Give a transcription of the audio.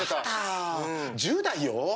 １０代よ。